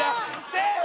セーフ！